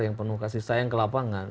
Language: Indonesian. yang penuh kasih sayang ke lapangan